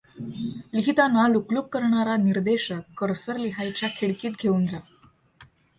लिहिताना लुकलुकणारा निर्देशक कर्सर लिहायच्या खिडकीत घेऊन जा.